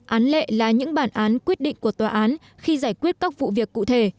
án lệ là những bản án quyết định của tòa án khi giải quyết các vụ việc cụ thể